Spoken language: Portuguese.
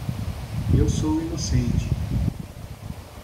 Eu sou inocente.